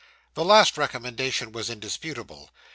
The last recommendation was indisputable.